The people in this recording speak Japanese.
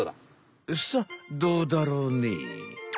さっどうだろうね？